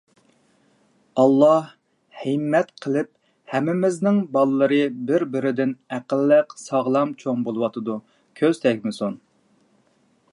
ئاللاھ ھىممەت قىلىپ، ھەممىمىزنىڭ بالىلىرى بىر-بىرىدىن ئەقىللىق، ساغلام چوڭ بولۇۋاتىدۇ. كۆز تەگمىسۇن.